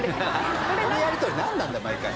このやり取りなんなんだよ毎回。